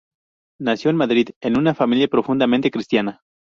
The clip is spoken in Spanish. Nació en Madrid, en una familia profundamente cristiana.